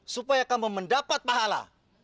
supaya kamu mendapat pahala